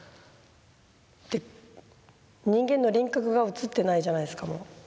で人間の輪郭が写ってないじゃないですかもう。